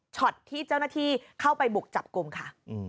ที่เจ้าหน้าที่เข้าไปบุกจับกลุ่มค่ะ